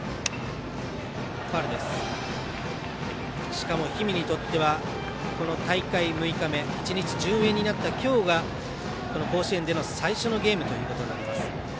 しかも、氷見にとっては大会６日目１日順延になった今日がこの甲子園での最初のゲームということになります。